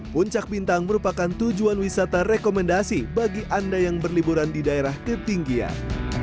puncak bintang merupakan tujuan wisata rekomendasi bagi anda yang berliburan di daerah ketinggian